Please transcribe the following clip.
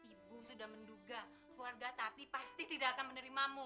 ibu sudah menduga keluarga tapi pasti tidak akan menerimamu